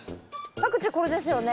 パクチーこれですよね？